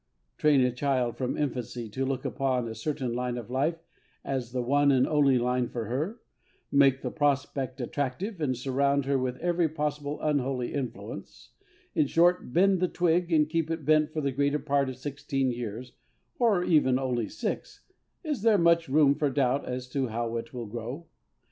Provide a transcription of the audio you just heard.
Train a child from infancy to look upon a certain line of life as the one and only line for her, make the prospect attractive, and surround her with every possible unholy influence; in short, bend the twig and keep it bent for the greater part of sixteen years, or even only six is there much room for doubt as to how it will grow?